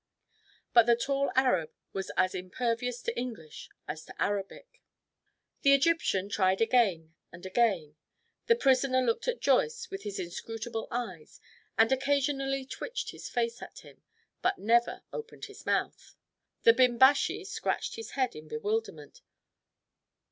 But the tall Arab was as impervious to English as to Arabic. The Egyptian tried again and again. The prisoner looked at Joyce with his inscrutable eyes, and occasionally twitched his face at him, but never opened his mouth. The Bimbashi scratched his head in bewilderment.